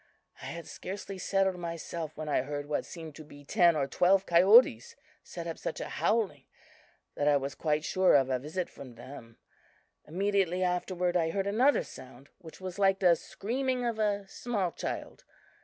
I had scarcely settled myself when I heard what seemed to be ten or twelve coyotes set up such a howling that I was quite sure of a visit from them. Immediately after . ward I heard another sound, which was like the screaming of a small child.